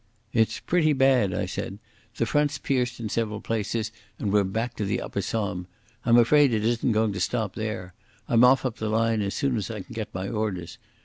"It's pretty bad," I said. "The front's pierced in several places and we're back to the Upper Somme. I'm afraid it isn't going to stop there. I'm off up the line as soon as I can get my orders.